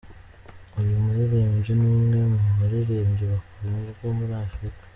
Uyu muririmbyi ni umwe mu baririmbyi bakunzwe muri Afurika.